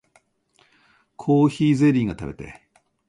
コーヒーゼリーが食べたい